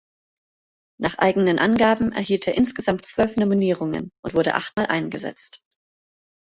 Nach eigenen Angaben erhielt er insgesamt zwölf Nominierungen und wurde achtmal eingesetzt.